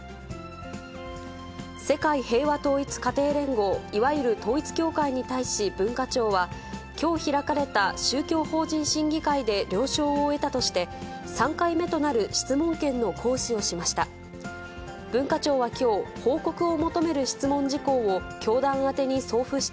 世界平和統一家庭連合、いわゆる統一教会に対し、文化庁は、きょう開かれた宗教法人審議会で了承を得たとして、３回目となる質問権の行使をしました。